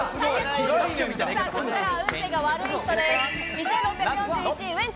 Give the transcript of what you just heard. ここからは運勢が悪い人です。